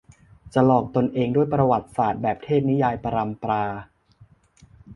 จะหลอกตนเองด้วยประวัติศาสตร์แบบเทพนิยายปรัมปรา